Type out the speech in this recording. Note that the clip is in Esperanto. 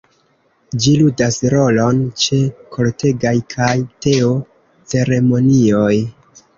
Ĝi ludas rolon ĉe kortegaj kaj teo-ceremonioj.